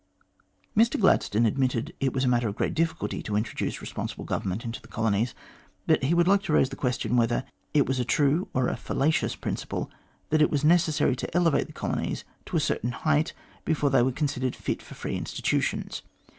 Mr Gladstone admitted that it was a matter of great difficulty to introduce responsible government into the colonies, but he would like to raise the question whether it was a true or a fallacious principle that it was necessary to elevate the colonies to a certain height before they were considered fit for free institutions